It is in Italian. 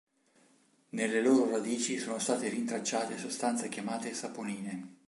Nelle loro radici sono state rintracciate sostanze chiamate saponine.